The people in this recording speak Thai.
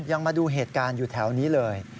ยังมาดูเหตุการณ์อยู่แถวนี้เลย